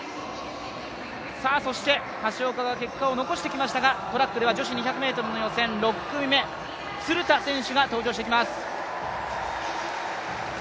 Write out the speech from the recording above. そして橋岡が結果を残してきましたが、トラックでは、女子２００ｍ予選６組目、鶴田選手が登場してきます。